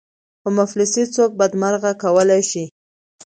خو مفلسي څوک بدمرغه کولای شي.